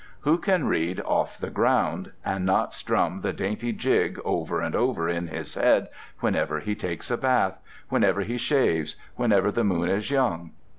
Who can read "Off the Ground" and not strum the dainty jig over and over in his head whenever he takes a bath, whenever he shaves, whenever the moon is young?